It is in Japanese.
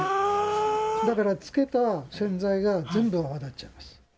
だから、つけた洗剤が全部泡立っちゃいます。